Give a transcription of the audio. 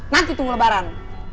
nanti tuh lebaran